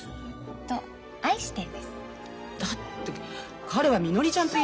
だって彼はみのりちゃんといろいろ。